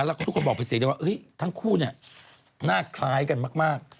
แล้วก็ทุกคนบอกไปเสียด้วยว่าทั้งคู่หน้าคล้ายกันมาก